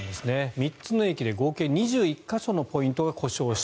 ３つの駅で合計２１か所のポイントが故障した。